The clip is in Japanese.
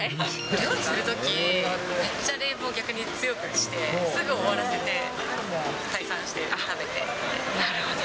料理するとき、めっちゃ冷房、逆に強くして、すぐ終わらせて、退散して食べてみたいな。